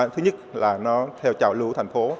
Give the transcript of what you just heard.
thứ nhất là nó theo chào lưu thành phố